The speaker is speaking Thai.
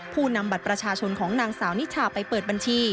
ผู้นำบัตรประชาชนของนางสาวนิชชา